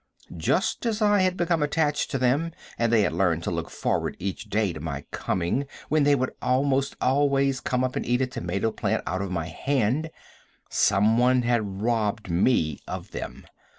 Just as I had become attached to them, and they had learned to look forward each day to my coming, when they would almost come up and eat a tomato plant out of my hand, some one had robbed me of them.